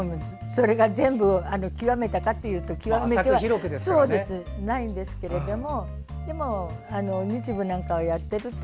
それが全部極めたかというと極めてはないんですけれどもでも、日舞なんかをやっていると